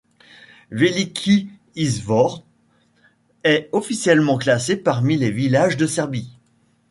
Veliki Izvor est officiellement classé parmi les villages de Serbie.